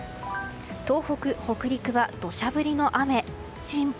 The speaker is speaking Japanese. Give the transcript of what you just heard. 東北・北陸は土砂降りの雨。